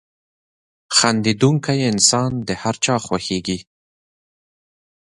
• خندېدونکی انسان د هر چا خوښېږي.